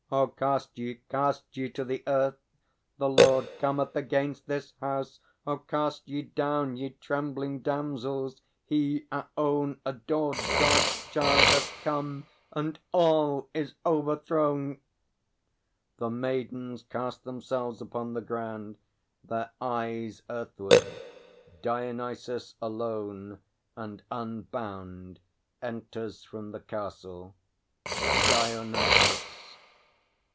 Oh, cast ye, cast ye, to the earth! The Lord Cometh against this house! Oh, cast ye down, Ye trembling damsels; He, our own adored, God's Child hath come, and all is overthrown! [The Maidens cast themselves upon the ground, their eyes earthward. DIONYSUS, alone and unbound, enters from the Castle. DIONYSUS.